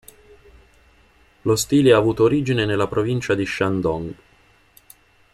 Lo stile ha avuto origine nella provincia di Shandong.